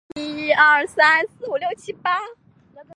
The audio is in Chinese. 气候介于温带大陆性气候和海洋性气候。